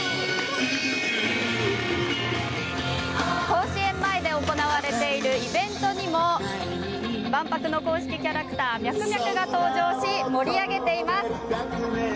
甲子園前で行われているイベントにも万博の公式キャラクターミャクミャクが登場し盛り上げています。